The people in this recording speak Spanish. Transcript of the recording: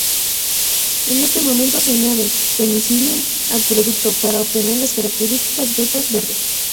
En este momento se añade "Penicillium" al producto, para obtener las características vetas verdes.